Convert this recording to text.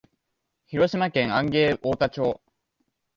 広島県安芸太田町